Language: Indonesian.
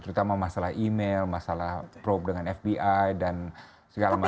terutama masalah email masalah prope dengan fbi dan segala macam